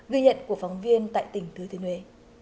ghi nhận của phóng viên tại tỉnh thứ thiên huế